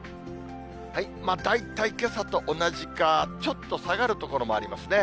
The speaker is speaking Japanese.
大体けさと同じかちょっと下がる所もありますね。